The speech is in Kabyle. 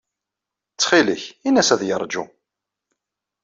Ttxil-k, ini-as ad yeṛju.